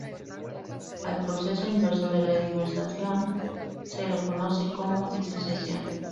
Al proceso inverso de la dimerización se lo conoce como disociación.